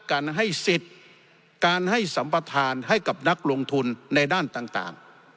การให้สิทธิ์การให้สัมประธานให้กับนักลงทุนในด้านต่าง